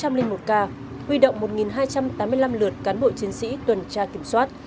huy động một hai trăm tám mươi năm lượt cán bộ chiến sĩ tuần tra kiểm soát